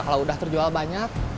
kalau udah terjual banyak